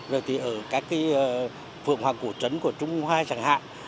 rồi thì ở các cái phượng hoàng cổ trấn của trung hoa chẳng hạn